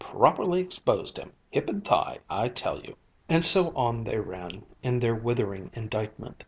Properly exposed him, hip and thigh, I tell you." And so on they ran, in their withering indictment.